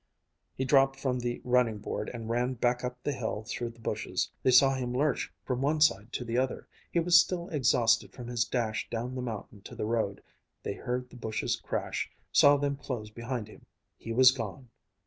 He dropped from the running board and ran back up the hill through the bushes. They saw him lurch from one side to the other; he was still exhausted from his dash down the mountain to the road; they heard the bushes crash, saw them close behind him. He was gone.